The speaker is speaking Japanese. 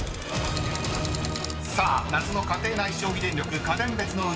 ［さあ夏の家庭内消費電力家電別のウチワケ］